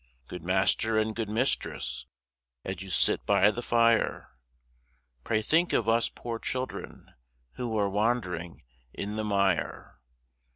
Good Master and good Mistress, As you sit by the fire, Pray think of us poor children Who are wandering in the mire.